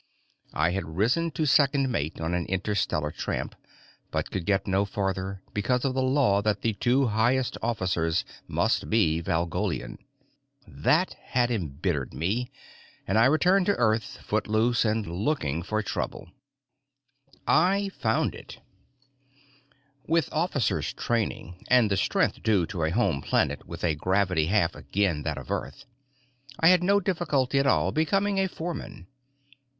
I had risen to second mate on an interstellar tramp, but could get no further because of the law that the two highest officers must be Valgolian. That had embittered me and I returned to Earth, foot loose and looking for trouble. I found it. With officer's training and the strength due to a home planet with a gravity half again that of Earth, I had no difficulty at all becoming a foreman.